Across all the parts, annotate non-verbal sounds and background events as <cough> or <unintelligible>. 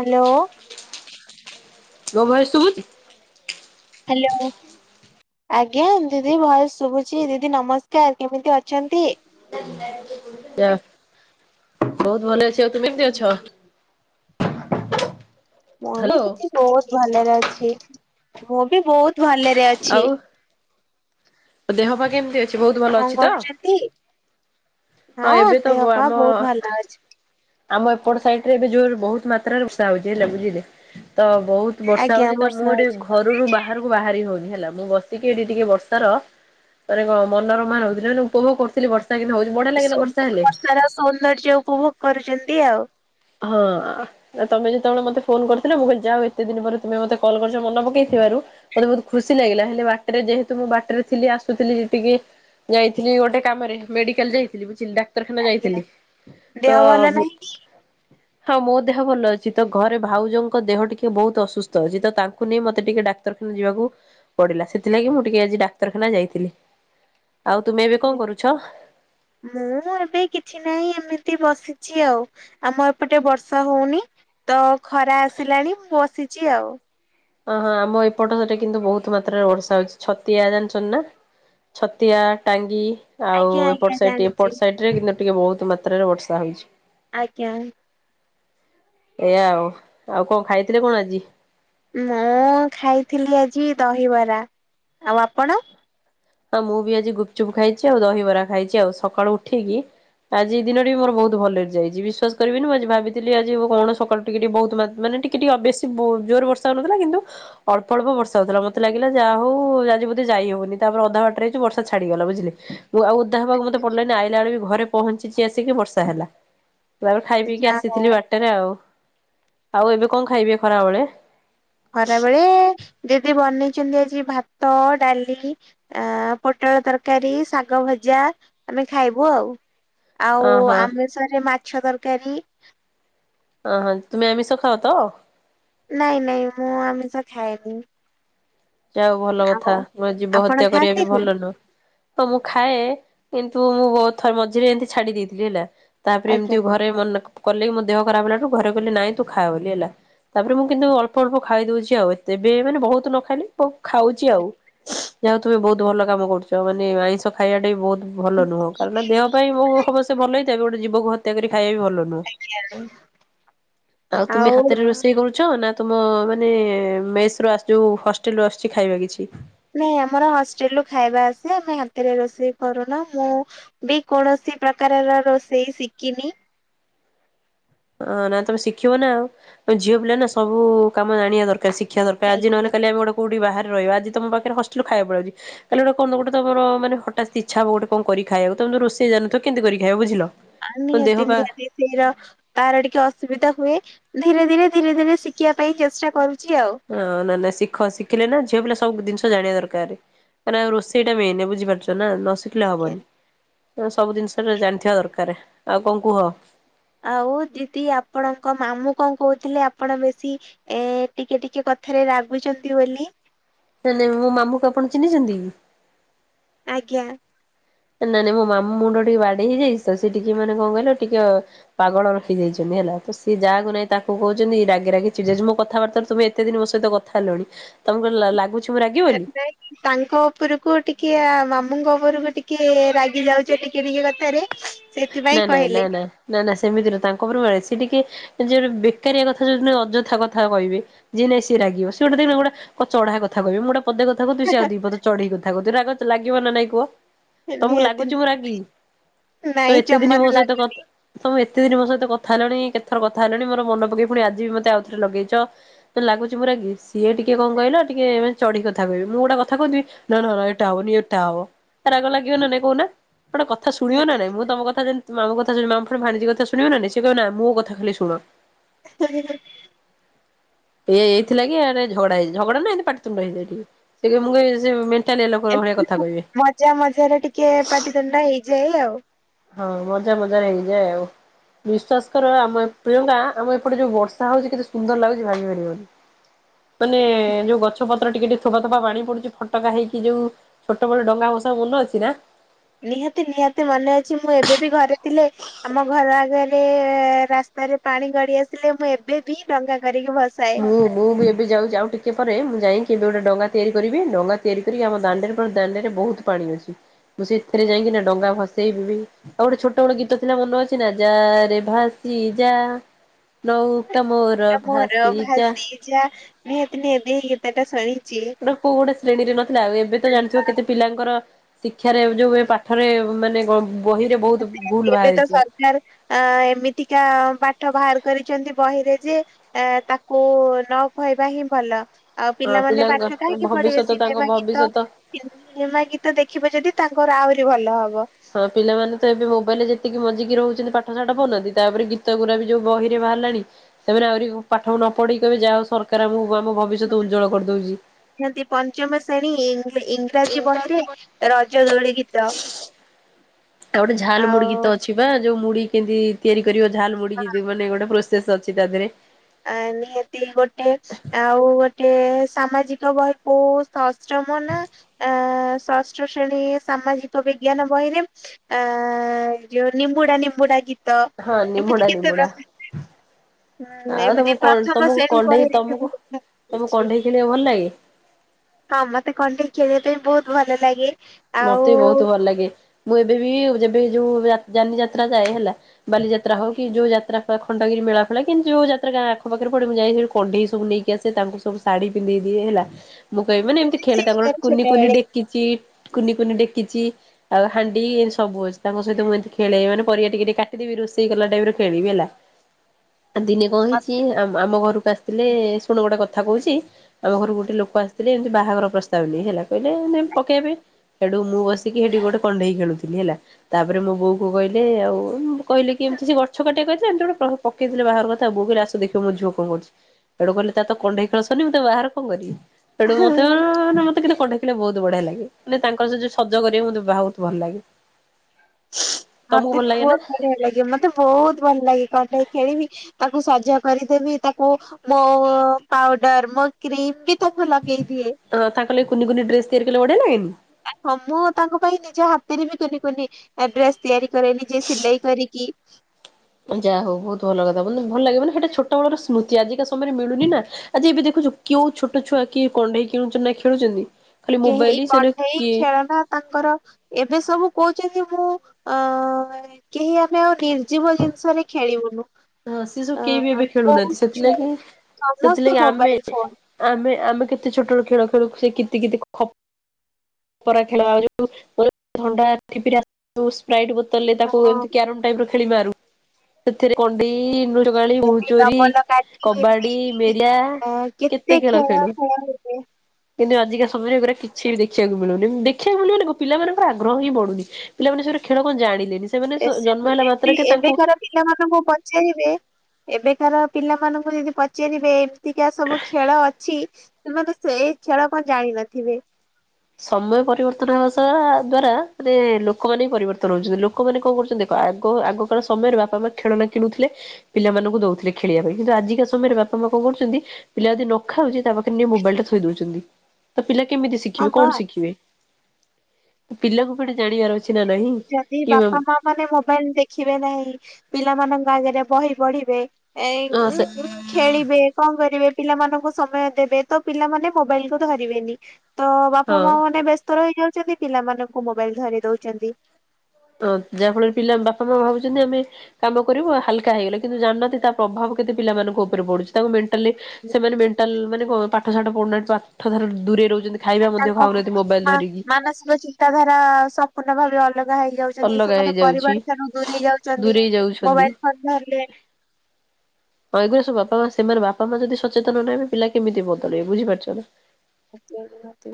Hello. ଗଉଇ ଶୁଭୁଚି। Hello. ଆଜ୍ଞା ଦିଦି ଭଏସ୍‌ ଶୁଭୁଚି ଦିଦି ନମସ୍କାର କେମିତି ଅଛନ୍ତି। ଲେଟ୍ ନାଇଟିରେ ଯିବୁ। ଡା ବହୁତ ଭଲ ଅଛ ଆଉ ତୁମେ କେମତି ଅଛ। ମୁଁ ବି ହ୍ୟାଲୋ ସେଠି ବହୁତ ଭଲରେ ଅଛି ମୁଁ ବି ବହୁତ ଭଲେ ଆଉ ଦେହ ପା କେମିତି ଆଉ ବହୁତ ଭଲ କଣ ଅଛି ତ କରୁଛନ୍ତି? ହଁ ଏବେ ତ ଦେହ ପା ଆମ ବହୁତ ଭଲ ଅଛି ଆମ ଏପଟ ସାଇଡ ରେ ଏବେ ଜୋର ବହୁତ ମାତ୍ରାରେ ବର୍ଷା ହଉଛି ହେଲା ବୁଝିଲେ। ତ ବହୁତ ବର୍ଷା ଆଜ୍ଞା ହଉଛି ତ ମୁଁ ବର୍ଷା ଏଠି ହଉଛି ଘରୁରୁ ବାହାରକୁ ବାହାରି ହଉନି। ହେଲା ମୁଁ ବସିକି ଏଠି ଟିକେ ବର୍ଷାର ମାନେ ମନୋରମା ଦେନ୍‌ ଉପଭୋଗ କରୁଥିଲି ବର୍ଷା। ହଉଛି <unintelligible> ସୋପ୍ ହେଲେ। ବର୍ଷାର ସୌନ୍ଦର୍ଯ୍ୟ ଉପଭୋଗ କରୁଛନ୍ତି ଆଉ ହଁ ଆ ତମେ ଯେତେବେଳେ ମତେ ଫୋନ କରିଥିଲ ମୁଁ କହିଲିଯାହା ହଉ ଏତେ ଦିନ ପରେ ତୁମେ ମତେ କଲ୍ କରିଛ ମନେ ପକେଇଥିବାରୁ। ମୋତେ ବହୁତ ଖୁସି ଲାଗିଲା ହେଲେ ବାଟରେ ଯେହେତୁ ମୁଁ ବାଟରେ ଥିଲି ଆସୁଥିଲି ଯେଟିକି। ଯାଇଥିଲି ଗୋଟେ କାମରେ ମେଡିକାଲ ଯାଇଥିଲି ବୁଝିଲି ଡାକ୍ତରଖାନା ଆଜ୍ଞା ଯାଇଥିଲି ତ ଦେହ ଭଲ ନାହିଁ କି? ହଁ ମୋ ଦେହ ଭଲ ଅଛି ତ ଘରେ ଭାଉଜଙ୍କ ଦେହ ଟିକେ ବହୁତ ଅସୁସ୍ଥ ଅଛି ତ ତାଙ୍କୁ ନେଇ ମୋତେ ଟିକେ ଡାକ ଡାକ୍ତରଖାନା ଯିବାକୁ ପଡିଲା ସେଥିଲାଗି ମୁଁ ଟିକେ ଆଜି ଡାକ୍ତରଖାନା ଯାଇଥିଲି। ଆଉ ତୁମେ ଏବେ କଣ କରୁଛ। ମୁଁ ଏବେ କିଛି ନାହିଁ ଏମିତି ବସିଛି ଆଉ ଆମ ଏପଟେ ବର୍ଷା ହଉନି ତ ଖରା ଆସିଲାଣି ମୁଁ ବସିଛି ଆଉ ଅ ହଁ ଆମ ଏପଟ ସେଠା କିନ୍ତୁ ବହୁତ ମାତ୍ରାରେ ବର୍ଷା ହଉଛି ଛତିଆ ଜାଣିଚ଼ନି ନା। ଛତିଆ ଟାଙ୍ଗି ଆଉ ଆଜ୍ଞା ଆଜ୍ଞା ଏପଟ ସାଇଟ୍ ଜାଣିଛି ଏପଟ ସାଇଡ ରେ କିନ୍ତୁ ଟିକେ ବହୁତ ମାତ୍ରାରେ ବର୍ଷା ହୋଇଛି। ଆଜ୍ଞା ଏ ଏଆା ଆଉ ଆଉ କଣ ଖାଇଥିଲେ କଣ ଆଜି ମୁଁ ଖାଇଥିଲି ଆଜି ଦହିବରା ଆଉ ଆପଣ ହଁ ମୁଁ ବି ଆଜି ଗୁପଚୁପ୍ ଖାଇଛି ଆଉ ଦହିବରା ଖାଇଛି ଆଉ ସକାଳୁ ଉଠିକି ଆଜି ଏଇ ଦିନଟି ବି ମୋର ବହୁତ ଭଲରେ ଯାଇଛି ବିଶ୍ଵାସ କରିବିନି ମୁଁଆଜି ଭାବିଥିଲି ଆଜି ହ କଣ ସକାଳୁ ଟିକେ ଟିକେ ବହୁତ ମାନେ ଟିକେ ଟିକେ ବେଶୀ ଜୋର ବର୍ଷା ହେଉନଥିଲା କିନ୍ତୁ ଅଳ୍ପ ଅଳ୍ପ ବର୍ଷା ହଉଥିଲା ମତେ ଲାଗିଲା ଜାହଉ ଆଜି ବୋଧେ ଯାଇ ହବନି। ତାପରେ ଅଧା ବାଟରେ ହେଇଚୁ ବର୍ଷା ଛାଡିଗଲା ବୁଝିଲେ ଆଉ ଓଧା ହବାକୁ ମତେ ପଡିଲାନି ଆଇଲା ବେଳେ ବି ଘରେ ପହଞ୍ଚିଛି ଆସିକି ବର୍ଷା ହେଲା। ତାପରେ ଖାଇ ପିଇକି ଯାହା ଆସିଥିଲି ହଉ ବାଟରେ ଆଉ ଆଉ ଏବେ କଣ ଖାଇବେ ଖରାବେଳେ? ଖରା ବେଳେ ଦିଦି ବନେଇଛନ୍ତି ଆଜି ଭାତ ଡାଲି ଆ ପୋଟଳ ତରକାରୀ ଶାଗ ଭଜା ଆମେ ଖାଇବୁ ଆଉ। ଆଉ ଅହଁ ଆମିଷରେ ମାଛ ତରକାରୀ ଅ ହଁ ତୁମେ ଆମିଷ ଖାଅ ତ? ନାଇଁ ନାଇଁ ମୁଁ ଆମିଷ ଖାଏନି। ଯା ହଉ ଭଲ କଥା ଆଉ ନୂଆ ଜୀବ ଆପଣ ହତ୍ୟା କରିବା ବି ଖାଆନ୍ତିନି ଭଲ ନୁହଁ। ତ ମୁଁ ଖାଏ କିନ୍ତୁ ମୁଁ ବହୁତ ଥର ମଝିରେ ଏମିତି ଛାଡି ଦେଇଥିଲି ହେଲା ତାପରେ ଆଜ୍ଞା ଏମିତି ଘ ସେ ମନା କଲେବି ମୋ ଦେହ ଖରାପ ହେଲାଠୁ ଘରେ କହିଲେ ନାଇଁ ତୁ ଖାଆ ବୋଲି ହେଲା। ତାପରେ ମୁଁ କିନ୍ତୁ ଅଳ୍ପ ଅଳ୍ପ ଖାଇଦଉଚି ଆଉ ଏତେ ଏବେ ମାନେ ବହୁତ ନ ଖାଇଲେ। ମୁଁ ଖାଉଛି ଆଉ ଯାହା ହଉ ତୁମେ ବହୁତ ଭଲ କାମ କରୁଛ ମାନେ ଆଇଁଷ ଖାଇବାଟା ବି ବହୁତ ଭଲ ନୁହଁ କାରଣ ଦେହ ପାଇଁ ମୁଁ ହବ ସେ ଭଲହେଇଥାଏ ଗୋଟେ ଜୀବକୁ ହତ୍ୟା କରି ଖାଇବା ଭଲ ନୁହେଁ। ଆଉ ତୁମେ ହାତରେ ରୋସେ ରୋଷେଇ କରୁଛ ନା ତୁମ ମାନେ ମେସରୁ ଆସୁ ଯୋଉ ହଷ୍ଟେଲରୁ ଆସୁଛି ଖାଇବା କିଛି। ନାଇଁ ଆମର ହଷ୍ଟେଲରୁ ଖାଇବା ଆସେ ଆମେ ହାତରେ ରୋଷେଇ କରୁନା ମୁଁ ବି କୌଣସି ପ୍ରକାରର ରୋଷେଇ ଶିକିନି। ଅ ନା ତମେ ଶିଖିବ ନା ଆଉ ଝିଅ ପିଲା ନା ସବୁ କାମ ଜାଣିବା ଦରକାର ଶି ଶିଖିବା ଦରକାର ଆଜି ନ ଆଜ୍ଞା। ହେଲେ କାଲି ଆମେ ଗୋଟେ କଉଠି ବାହାରେ ରହିବା ଆଜି ତମ ପାଖରେ ହଷ୍ଟେଲରୁ ଖାଇବା ପଲେଇଆସୁଚି। କାଲି ଗୋଟେ କୋଉଦିନ ଗୋଟେ ତମର ମାନେ ହଠାତ୍ ଇଛା ହବ ଗୋଟେ କଣ ଖାଇବ ତମେ ତ ରୋଷେଇ ଜାଣି ନ ଥିବ କେମତି କରିକି ଖାଇବ ବୁଝିଲ। ଆ ତମ ଦେହ ନିହାତି ପା ନିହାତି ସେଇର ତାର ଟିକେ ଅସୁବିଧା ହୁଏ। ଧୀରେ ଧୀରେ ଧୀରେ ଧୀରେ ଶିଖିବା ପାଇଁ ଚେଷ୍ଟା କରୁଛି ଆଉ। ହଁ ହଁ ନା ନା ଶିଖ ଶିଖିଲେ ନା ଝିଅ ପିଲା ସବୁ ଜିନିଷ ଜାଣିବା ଦରକାର। ମାନେ ରୋଷେଇଟା ମେନ ବୁଝିପାରୁଛ ନା? ନ ଶିଖି ଖିଲେ ହବନି ସବୁ ଜିନିଷଟା ଜାଣିଥିବା ଦରକାର ଆଉ କଣ କୁହ? ଆଉ ଦିଦି ଆପଣଙ୍କ ମାମୁଁ କଣ କହୁଥିଲେ ଆପଣ ବେଶୀ ଏ ଟିକେ ଟିକେ କଥାରେ ରାଗୁଛନ୍ତି ବୋଲି। ନାଇଁ ନାଇଁ ମୋ ମାମୁଁକୁ ଆପଣ ଚିହ୍ନିଛନ୍ତି କି? ଆଜ୍ଞା। ନା ନାଇଁ ମୋ ମାମୁଁ ମୁଣ୍ଡ ଟିକେ ବାଡେଇ ହେଇଯାଇଚି ତ ସେ ଟିକେ ମାନେ କଣ କହିଲ ଟିକେ ପାଗଳ ହେଇଯାଇଚନ୍ତି ହେଲା ତ ସିଏ ଯାହାକୁ ନାଇଁ ତାକୁ କହୁଛନ୍ତି ରାଗି ରାଗି ଚିଡି ଯାଉଛି ମୋ କଥାବାର୍ତ୍ତା ତୁମେ ଏତେ ଦିନ ମୋ ସହିତ ଥା ହେଲଣି ତମକୁ କଣ ଲାଗୁଚି ଏତେଇ <inaudible> ତାଙ୍କ ଉପରକୁ ଟିକେ ମାମୁଁଙ୍କ ଉପରକୁ ଟିକେ ରାଗି ଯାଉଚ ଟିକେ ଟିକେ କଥାରେ। ସେଥିପାଇଁ ନା ନାଇଁ ନା କହିଲେ ନା ନା ନା ସେମିତି ନୁହୁଁ ତାଙ୍କ ଉପରେ ସେ ଟିକେ ଯିଏ ବେକାରିଆ କଥା ଅଯଥା କଥା କହିବେ ଯିଏ ନାହିଁ ସିଏ ରାଗିବ ସେ ଗୋଟେ ଦେଖିବେ ଚଢା କଥା କହିବେ ମୁଁ ଗୋଟେ ପଦେ କଥ କଥା ହଉଥିବି ଆଉ ଦି ପଦେ ଚଢିକି କଥା କହୁଥିବେ ରାଗ ଲାଗିବ ନା ନାଇଁ କୁହ? ତମକୁ ନିହାତି ଲାଗୁଛି ମୁଁ ରାଗି। ତ ନାଇଁ ଏତେ ଦିନ ମୋ ଜମାରୁ ସହିତ କ ତମେ ଏତେ ଦିନି ମୋ ସହିତ କଥା ହେଲଣି କେତଥର କଥା ହେଲଣି ମୋର ମନ ପକେଇ ପୁଣି ଆଜି ବି ମତେ ଆଉ ଥରେ ଲଗେଇଚ ମତେ ଲାଗୁଛି ପୂରା କି ସିଏ ଟିକେ କଣ କହିଲ ଟିକେ ମାନେ ଚଢିକି କଥା କହିବେ ମୁଁ ଗୋଟା କଥା କହୁଥିବି ନ ନ ନ ଏଟା ହବନି ଏଟା ହବ ରାଗ ଲାଗିବ ନା ନାଇଁ କହୁନ ଗୋଟେ କଥା ଶୁଣିବ ନା ଲାଗୁନି। ନାଇଁ ମୁଁ ତମ କଥା ଯଦି ମାମୁଁ କଥା ଶୁଣିବି ମାମୁଁ ପୁଣି ଭାଣିଜୀ କଥା ଶୁଣିବ ନା ନାହିଁ ସେ କହିବ ନା ମୋ କଥା ଖାଲି ଶୁଣ। <inaudible> ଏ ଏଇଥିଲାଗି ଆରେ ଝଗଡାହେଇଯାଏ ଝଗଡା ନା ପାଟିତୁଣ୍ଡ ହେଇଯାଏ ଟିକେ ସେ କହିବେ ମୁଁ କହିବି ସେ ମେ ଣ୍ଟାଲିଆ ଲୋକଙ୍କ ଭଳିଆ କଥା କହିବେ। ଜା ମଧ୍ୟରେ ଟିକେ ପାଟିତୁଣ୍ଡ ହେଇଯାଏ ଆଉ। ହଁ ମଜାରେ ମଜାରେ ହେଇଯାଏ ଆଉ। ବିଶ୍ଵାସ କର ଆମ ପ୍ରିୟଙ୍କା ଆମ ଏପଟେ ଯୋଉ ବର୍ଷା ହଉଛି କେତେ ସୁନ୍ଦର ଲାଗୁଛି ଭାବି ପାରିବନି। ମାନେ ଯୋଉ ଗଛପତ୍ର ଟିକେ ଟିକେ ଥୋପା ଥୋପା ପାଣି ପଡୁଛି ଫଟକା ହେଇକି ଯୋଉ ଛୋଟ ବେଳେ ଯୋଉ ଡ଼ଙ୍ଗା ମନ ଅଛି ନା। ନିହାତି ନିହାତି ମନେ ଅଛି ମୁଁ ଏବେ ବି ଘରେ ଥିଲେ। ଆମ ଘର ଆଗରେ ରାସ୍ତାରେ ପାଣି ଗଡି ଆସିଲେ ମୁଁ ଏବେ ବି ଡ଼ଙ୍ଗା କରିକି ଭସାଏ। ହଁ ମୁଁ ବି ଏବେ ଯାଉ ଆଉ ଟିକେ ପରେ ମୁଁ ଯାଇକି ଏବେ ଗୋଟେ ଡଙ୍ଗା ତିଆରି କରିବି ଡଙ୍ଗା ତିଆରି କରି ଆମ ଦାଣ୍ଡରେ ଦାଣ୍ଡରେ ବହୁତ୍ ପାଣି ଅଛି ମୁଁ ସେଇଥିରେ ଯାଇଁକିନା ଡଙ୍ଗା ଭସେଇବି। ଆଉ ଗୋଟେ ଛୋଟ ବେଳେ ଗୀତ ଥିଲା ମନ ଅଛି ନା ଯା ରେ ଭାସି ଯା। ନୌକା ମୋର ଏଟା ମୋର ଭାସି ଯା ଭାସି ଯା ନିତିିନ ଏବେ ଏଇ ଗୀତ ଟା ସାରିଛି। କୋଉ ଗୋଟେ ଶ୍ରେଣୀରେ ନଥିଲା ଆଉ ଏବେ ତ ଜାଣିଥିବ କେତେ ପିଲାଙ୍କର ଶିକ୍ଷାରେ ଯୋଉ ପାଠରେ ମାନେ ବହିରେ ବହୁତ ଭୁଲ ସେ ଏବେ ତ ବାହାରିଛି। ସ ଏଁ ଏମିତିକା ପାଠ ବାହାର କରିଛନ୍ତି ବହିରେ ଯେ ଏ ତାକୁ ନ କହିବା ହିଁ ଭଲ। ଆଉ ହଁ ପିଲାମାନେ ପିଲାଙ୍କ ପାଠ କାହିଁକି ପଢ଼ିବେ ଭବିଷ୍ୟତ ତାଙ୍କ ସିଧା ବା ଗୀତ। ଭବିଷ୍ୟତ ସିନେମା ଗୀତ ଦେଖିବେ ଯଦି ତାଙ୍କର ଆହୁରି ଭଲ ହବ। ହଁ ପିଲାମାନେ ତ ଏବେ ମୋବାଇଲ ରେ ଯେତିକି ମଞ୍ଜିକି ରହୁଛନ୍ତି ପାଠ ସାାଠ ପଢ଼ୁନାହାନ୍ତି ତାପରେ ଗୀତ ଗୁରା ବି ଯୋଉ ବହିରେ ବାହାରିଲାଣି। ସେମାନେ ଆହୁରି ପାଠକୁ ନ ପଢିକିବେ ଯାହା ହଉ ସରକାର ଆମକୁ ଆମ ଭବିଷ୍ୟତ ଉଜ୍ଜଳ କରିଦଉଛି। ପଞ୍ଚମ ଶ୍ରେଣୀ ଇଂରାଜୀ ବହିରେ ଆଉ ରଜ ଦୋଳି ଗୀତ। ଆଉ ଗୋେ ଝାଲ ମୁୁଡି ଗୀତ ଆଉ ଅଛି ବା ଯୋଉ ମୁଢଡି କେମିତି ତିଆରି କରିବ ଝାଲ ମୁଡି ମାନେ ଗୋଟେ ଶେଷ ଅଛି ତା ଦେହରେ। ଆ ନିହାତି ଗୋଟେ। ଆଉ ଗୋଟେ ସାମାଜିକ କୋଉ ସଶ୍ରମ ନା ଆ ସଷ୍ଟ ଶ୍ରେଣୀ ସାମାଜିକ ବିଜ୍ଞାନ ବହିରେ ଆ ଯୋଉ ନିମ୍ବୁଡା ନିମ୍ବୁଡା ଗୀତ ହଁ ନିମୋଡା ଏମିତି କେତେ ନିମୋଡା। ର ଆଉ ତମ ପ୍ରଥମ ତମକୁ ଶ୍ରେଣୀ କଣ୍ଢେଇ ବହିରେ ବି ତମକୁ ତମକୁ ଅଛି। କଣ୍ଢେଇ ଖେଳିବା ଭଲ ଲାଗେ। ହଁ ମତେ କଣ୍ଢଇ ଖେଳିବା ପାଇଁ ବହୁତ ଭଲ ଲାଗେ। ଆଉ ମତେ ବି ବହୁତ୍ ଭଲ ଲାଗେ ମୁଁ ଏବେ ବି ଯେବେ ଯୋଉ ଯାନି ଯାତ୍ରା ଯାଏ ହେଲା। ବାଲିଯାତ୍ରା ହଉ କି ଯୋଉ ଯାତ୍ରା ଖଣ୍ଡଗିରି ମେଳା ଫଳା କିନ୍ତ ଯୋଉ ଯାତ୍ରାଁ ଆଖ ପାଖ ପଡ ମୁଁ ଯାଇ ସେଠି କଣ୍ଢେଇ ସବୁ ନେଇକି ଟ ଆ ସେ ତାଙ୍କୁ ସବୁ ଶଢୀ ପିନ୍ଧେଇ ଦିଏ ହେଲା ମୁଁ କହିବି ମାନେ ଏମିତି ବି ଖେଳିଲ ସେଇ କରେ ତାଙ୍କର କୁନି କୁି ଡେକିଚି କୁନି କୁନି ଡେକିଛି। ଆଉ ହାଣ୍ ଏ ସବୁ ଅଛି ତାଙ୍କ ସହିତ ମୁଁ ଏମତି ଖେଳେଇି ମାନ ପରିବା ଟିକେ ଟିକୋଟିଦେବି ରୋଷେଇ କଲା ଟାଇପ୍ ର ଖେଳିବି ହେଲା। ଦିନେ କଣ ଛୋଟବେଳେ ହେଇଛି ଆମ ଘରକୁ ଆସିଥିଲେ ଶୁଣ ଗୋଟେ କଥା କହୁଛି ଆମ ଘରକୁ ଗୋଟେ ଲୋକ ଆସିଥିଲେ ଏମିତି ବାହାଘର ପ୍ରସ୍ତାବ ନେଇ ହେଲା କହିଲେ ମାନେ ପକେଇବା ପାଇଁ ସେଠୁ ମୁଁ ବସିକି ସେଠି ଗୋଟେ କଣ୍ଢେଇ ଖେଳୁଥିଲି ହେଲା। ତାପରେ ମୋ ବୋଉ କୁ କହିଲ ଆଉ କହିଲେ କି ଏମତି ସେ ଗଛ କଟେଇ କହିଲ ଏମତି ଗୋଟେ ପକେଇଥିଲେ ବାଘ କଥା ବୁକ ଆସ ଦେଖିବ ମୋ ଝିଅ କଣ କରୁଛି। ହେଠୁ କହଲେ ତାର ତ କଣ୍ଢେଇ ଖେଳସନି ମୁଁତେ ବାହାଘର କଣ କରିବି। ସେଠୁ ମତେ ମତେ କିତେ କଟଖଳିବା ବହୁତ ବଢିଆ ଲାଗେ। ମାନେ ତାଙ୍କର ସେ ଯୋଉ ସଜ କରିବା ମୋତେ ବହୁତ ଭଲ ଲାଗେ। ତମକୁ ମତେ ଭଲ ବି ଲାଗେ ନା ବହୁତ ବଢିଆ ଲାଗେ ମତେ ବହୁତ ଭଲ ଲାଗେ କଣ୍ଢେଇ ଖେଳିବି। ତାକୁ ସଜ କରିଦେବି ତାକୁ ମୋ ପାଉଡର ମୋ କ୍ରିମ ବି ତାକୁ ଲଗେଇ ଦିଏ। ଅଁ ତା କଲେ କୁିୁନ କୁନି ଡ୍ରେସ୍ ତିଆରି କଲେ ବଢ଼ିଆ ଲାଗେନି ଆ ମୁଁ ତାଙ୍କ ପାଇଁ ନିଜ ହାତରେ ବି କୁନି କୁନି ଡ୍ରେସ୍ ତିଆରି କରେନି ଯେ ସିଲେଇ କରିକି ଯାହା ହଉ ବହୁତ୍ ଭଲ କଥା ମାନେ ଭଲ ଲାଗେ ମାନେଏଇଟା ଛୋଟ ବେଳର ସ୍ମୃତି ଆଜିକା ସମୟରେ ମିଳୁନି ନା ଆଜି ଏବେ ଦେଖୁଛୁ କେଉ ଛୋଟ ଛୁଆ କିଏ କଢେଇ କିଣୁଛନ୍ତି ନା ଖେଳୁଛନ୍ତି ଖାଲି କେହି ମୋବାଇଲ ସେନା କଣ୍ଢେଇ କିଏ। ଖେଳନା ତାଙ୍କର ଏବେ ସବୁ କହୁଛନ୍ତି ମୁଁ ଅ। କେହି ଆମେ ଆଉ ନିର୍ଜୀବ ଜିନିଷ ରେ ଖେଳିବୁନୁ। ହଁ ସିଏ ସବୁ ଅ କେହି ବି ଏବେ କୋଉ ଖେଳୁନାହାନ୍ତି ସେଥିଲାଗି ସମସ୍ତେ ସେଥିଲାଗି ଆମେ। ମୋବାଇଲ ଫୋନ ଆମେ ଆମେ କେତେ ଛୋଟ ବେଳ ଖେଳ ଖେଳୁ ସେଇ କିତି କିତି ଖ ପରା ଖେଳ ଆଉ ଯୋଉ ଥଣ୍ଡା ଠିପିରା। ସ୍ପାରଇଟ୍ ବୋତଲରେ ତାକୁ ହଁ ଏମତି କ୍ୟାରମ ଟାଇପ ଖେଳି ମାରୁ ‌ ସେଥିରେ କଣ୍ଡି ଲୁଚ କାଳି ବହୁଚୋରିୀ ଡବଲ କାଠି କବାଡି ମେରିଆ ଅ କେତେ ଖେଳ ଖେଳୁ। ଖେଳ ହୁଏ। କିନ୍ତୁ ଆଜିକା ସମୟରେ ଏଗୁରା କିଛି ବି ଦେଖିବାକୁ ମିଳୁନି ଦେଖିବାକୁ ମିଳିବନି କଁ ପିଲା ମାନଙ୍କର ଆଗ୍ରହ ହିଁ ବଢୁନି। ପିଲାମାନେ ସେଗୁରା ଖେଳ କଣ ଜାଣିଲେନି ସେମାନେ ଏ ସେ ଜନ୍ମ ହେଲା ଏବେ ମାତ୍ରକେ ତାଙ୍କୁ। ଏବେକାର ପିଲାମାନଙ୍କୁ ପଚାରିବେ ଏବେକାର ପିଲାମାନଙ୍କୁ ଯଦି ପଚାରିବେ। ଯେତିକା ସବୁ ଖେଳ ଅଛି ସେମାନେ ସେଇ ଖେଳ କଣ ଜାଣିିନଥିବେ। ସମୟ ପରିବର୍ତ୍ତନ ହେବା ସହ ଦ୍ଵାରା ମାନେ ଲୋକମାନେ ବି ପରିବର୍ତ୍ତନ ହଉଛନ୍ତି। ଲୋକମାନେ କଣ କରୁଛନ୍ତି ଦେଖ ଆଗ ଆଗକାଳ ସମୟରେ ବାପା ମା ଖେଳନା କିଣୁଥିଲେ‌। ପିଲା ମାନଙ୍କୁ ଦଉଥିଲେ ଖେଳିବା ପାଇଁ କିନ୍ତୁ ଆଜିକା ସମୟରେ ବାପା ମା କଣ କରୁଛନ୍ତି। ପିଲା ଯଦି ନ ଖାଉଛି ତା ପାଖରେ ନେଇ ମୋବାଇଲ ଟା ଥୋଇ ଦଉଛନ୍ତି ତ ପିଲା କେମିତି ସି ହଁ ଶିଖିବେ ବା କଣ ଶିଖିବେ ତ ପିଲାଙ୍କୁ ପୁଣି ଜାଣିବାର ଅଛି ନା ନହିଁ। ଯଦି ବାପା ମା ମାନେ ମୋବାଇଲ ଦେଖିବେ ନାହିଁ ପିଲାମାନଙ୍କ ଆଗରେ ବହି ପଢିବେ। ଏଇ ଉଁ ସେ ଉଁ ଖେଳିବେ କଣ କରିବେ ପିଲାମାନଙ୍କୁ ସମୟ ଦେବେ ତ ପିଲାମାନେ ମୋବାଇଲ କୁ ଧରିବେନି। ତ ବାପା ହଁ। ମା ମାନେ ବ୍ୟସ୍ତ ରହି ଯାଉଛନ୍ତି ପିଲାମାନଙ୍କୁ ମୋବାଇଲ ଧରେଇ ଦଉଛନ୍ତି। ତ ଯା ଫଳରେ ପିଲା ବାପା ମା ଭାବୁଛନ୍ତି ଆମେ। କାମ କରିବୁ ହାଲକା ହେଇଗଲେ କିନ୍ତୁ ଜାଣୁନାହାନ୍ତି ତା ପ୍ରଭାବ କେତେ ପିଲାମାନଙ୍କ ଉପରେ ପଡୁଛି। ତାକୁ ମେଣ୍ଟାଲି ସେମାନେ ମେଣ୍ଟାଲ ମାନେ କଁ ପାଠ ସାଠ ପଢୁନାହାନ୍ତି ପାଠ ଠାରୁ ଦୂରେଇ ରହୁଛନ୍ତି। ଖାଇବା ମଧ୍ୟ ତାଙ୍କ ଖାଉନାହାନ୍ତି ମ ମୋବାଇଲ ମା ଧରିକି। ମାନସିକ ଚିନ୍ତାଧାରା ସମ୍ପୂର୍ଣ୍ଣ ଭାବେ ଅଲଗା ହେଇଯାଉଛି। ଅଲଗା ସେମାନେ ହେଇଯାଉଛି ପରିବାର ଠାରୁ ଦୂରେଇ ଯାଉଛନ୍ତି ଦୂରେଇ ଯାଉଛନ୍ତି। ମୋବାଇଲ ଫୋନ ଧରିଲେ। <inaudible> ତ ଏ ଗୁରା ସବୁ ବାପା ମା ସେମାନେ ବାପା ମା ଯଦି ସଚେତନ ନହେବେ ପିଲା କେମିତି ବଦଳିବେ ବୁଝିପାରୁଛ ନା।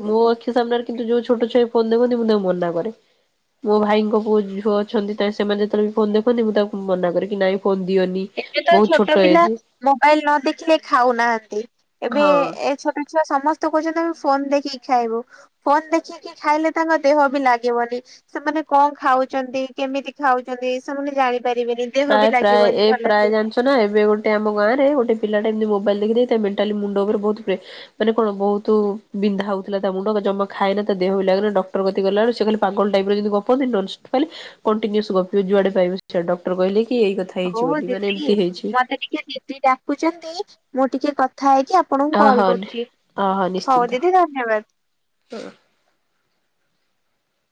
ମୋ ଆଖି ସାମ୍ନନା ରେ। କିନ୍ତୁ ଯୋଉ ଛୋଟ ଛୁଆ ବି ଫୋନ ଦେଖନ୍ତି ମୁଁ ତାଙ୍କୁ ମନା କରେ ମୋ ଭାଇ ଙ୍କ ପୁଅ ଝୁଅ ଅଛନ୍ତି ତାଏଁ ସେମାନେ ଯେତେ ବେଳେ ବି ଫୋନ ଦେଖନ୍ତି ମୁଁ ତାକୁ ମନା କରେ କି ନାଇଁ ଫୋନ ଦିଅନି। ଏବେ ତ ବହୁତ ଛୋଟ ପିଲା ଏଜ ମୋବାଇଲ ନ ଦେଖିଲେ ଖାଉ ନାହାନ୍ତି ଏବେ ହଁ। ଏ ଛୋଟ। ଛୁଆ ସମସ୍ତେ କହୁଛନ୍ତି ଆମେ ଫୋନ ଦେଖିକି ଖାଇବୁ ଫୋନ ଦେଖିକି। ଖାଇଲେ ତାଙ୍କ ଦେହ ବି ଲାଗିବନି। ସେମାନେ କଁ ଖାଉଛନ୍ତି କେମିତି ଖାଉଛନ୍ତି ସେମାନେ ଜାଣିପାରିବେନି ଦେହ ପ୍ରାୟ ବି ପ୍ରାୟ ଲାଗିବନି। ଏ ପ୍ରାୟ ଭଲସେ ଜାଣିଛ ନା ଏବେ ଗୋଟେ ଆମ ଗାଁରେ ଗୋଟେ ପିଲା ଟେ ଏମତି ମୋବାଇଲ ଦେଖି ଦେଖି ତା ମେଣ୍ଟାଲି ମୁଣ୍ଡ ଉପରେ ବହୁତ ପ୍ରେ ମାନେ କଣ ବହୁତ ବିନ୍ଧା ହଉଥିଲା ତା ମୁଣ୍ଡ ଜମା ଖାଏନ ତା ଦେହ ବି ଲାଗେନା ଡକ୍ଟର କତିକି ଗଲା ବେଳକୁ ସେ ଖାଲି। ପାଗଳ ଟାଇପ ର ଯେମିତି ଗପନ୍ତିନି ନନ୍ ସ ଖାଲି କଣ୍ଟିନିଓସ୍ ଗପିବ ଗପିବ ଯୁଆଡେ ପାଇବ ସିଆଡେ ଡକ୍ଟର କହିଲେ କି ଏଇ କଥା। ହଉ ହେଇଛି ମ ବୋଲି ମାନେ ଦିଦି ଏମିତି ହେଇଛି। ମତେ ଟିକେ ଦିଦି ଡାକୁଛନ୍ତି ମୁଁ ଟିକେ କଥା ହେଇକି ଆ ଆପଣଙ୍କୁ ହଁ କଲ୍ ହଁ କରୁଛି ହଉ ଦିଦି ଧନ୍ୟବାଦ। ହୁଁ।